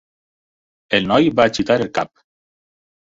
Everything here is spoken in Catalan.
El noi va agitar el cap.